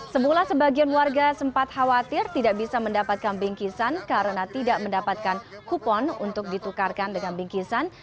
semula sebagian warga sempat khawatir tidak bisa mendapatkan bingkisan karena tidak mendapatkan kupon untuk ditukarkan dengan bingkisan